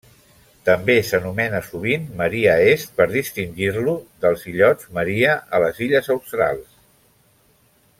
També s'anomena sovint Maria Est per distingir-lo dels illots Maria, a les illes Australs.